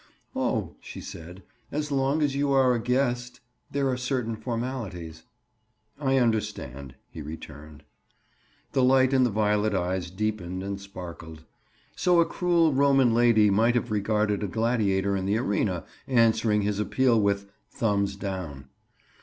"Oh," she said, "as long as you are a guest—? There are certain formalities—" "I understand," he returned. The light in the violet eyes deepened and sparkled. So a cruel Roman lady might have regarded a gladiator in the arena, answering his appeal with "Thumbs down."